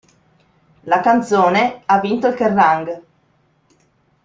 La canzone ha vinto il Kerrang!